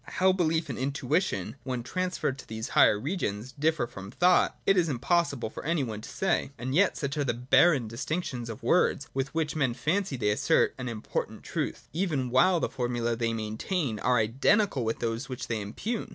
How belief and intuition, when transferred to these higher regions, differ from thought, it is impossible for any one to say. And yet, such are the barren distinc tions of words, with which men fancy that they assert an important truth : even while the formulae they main tain are identical with those which they impugn.